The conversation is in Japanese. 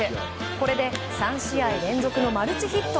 これで３試合連続のマルチヒット。